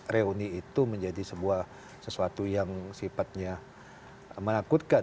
reuni itu menjadi sesuatu yang sifatnya menakutkan